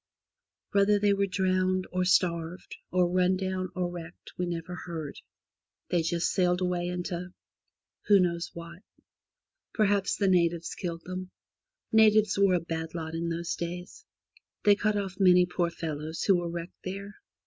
Whether they were drowned, or starved, or run down, or wrecked, we never heard. They just sailed away into — who knows what? Perhaps the natives killed them. Natives were a bad lot in those days. They cut off many poor fellows who were wrecked there.